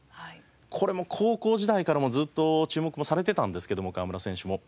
これも高校時代からもうずっと注目もされてたんですけども河村選手も。